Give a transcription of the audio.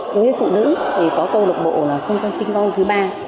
đối với phụ nữ thì có câu lạc bộ là không có trinh vong thứ ba